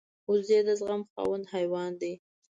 وزې د زغم خاوند حیوان دی